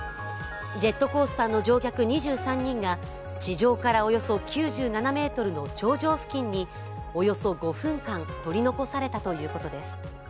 ジェットコースターの乗客２３人が地上からおよそ９７ｍの頂上付近におよそ５分間、取り残されたということです。